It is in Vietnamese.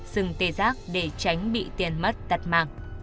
xừng tê giác để tránh bị tiền mất tật mạng